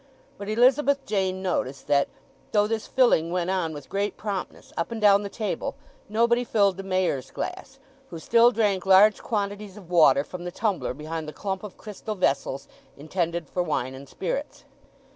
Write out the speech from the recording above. But Elizabeth Jane noticed that, though this filling went on with great promptness up and down the table, nobody filled the Mayor's glass, who still drank large quantities of water from the tumbler behind the clump of crystal vessels intended for wine and spirits.